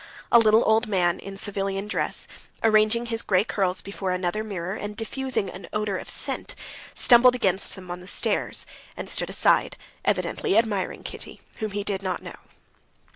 A little old man in civilian dress, arranging his gray curls before another mirror, and diffusing an odor of scent, stumbled against them on the stairs, and stood aside, evidently admiring Kitty, whom he did not know.